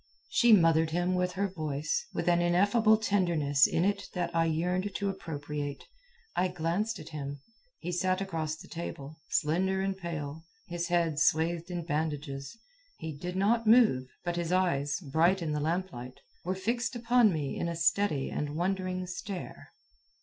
She mothered him with her voice, with an ineffable tenderness in it that I yearned to appropriate. I glanced at him. He sat across the table, slender and pale, his head swathed in bandages. He did not move, but his eyes, bright in the lamplight, were fixed upon me in a steady and wondering stare.